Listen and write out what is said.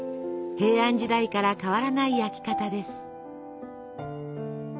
平安時代から変わらない焼き方です。